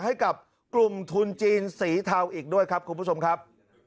ให้กับกลุ่มทุนจีนสีเทาอีกด้วยครับคุณผู้ชมครับ